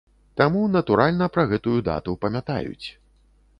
Таму натуральна пра гэтую дату памятаюць.